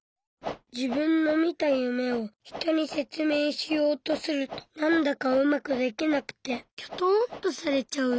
自分の見た夢を人に説明しようとするとなんだかうまくできなくてキョトンとされちゃう。